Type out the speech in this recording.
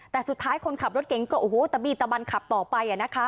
แต่สุดท้ายคนขับรถเก๋งก็โอ้โหตะบี้ตะบันขับต่อไปนะคะ